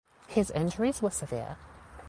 His injuries were severe.